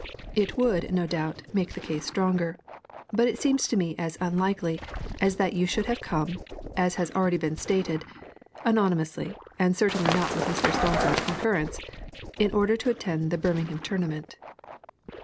It would, no doubt, make the case stronger, but it seems to me as unlikely as that you should have come, as has been already stated (anonymously, and certainly not with Mr. Staunton's concurrence), in order to attend the Birmingham Tournament.